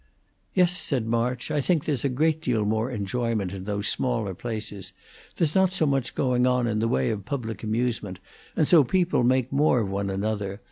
"Yes," said March, "I think there's a great deal more enjoyment in those smaller places. There's not so much going on in the way of public amusements, and so people make more of one another.